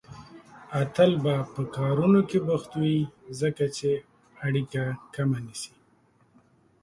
اتل به په کارونو کې بوخت وي، ځکه چې اړيکه کمه نيسي.